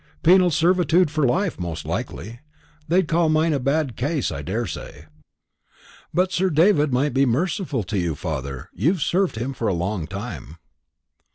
Penal servitude for life, most likely. They'd call mine a bad case, I daresay." "But Sir David might be merciful to you, father. You've served him for along time."